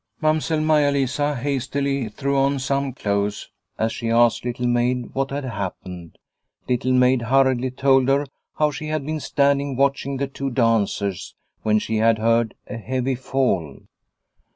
Mamsell Maia Lisa hastily threw on some clothes as she asked Little Maid what had happened. Little Maid hurriedly told her how she had been standing watching the two dancers when she had heard a heavy fall.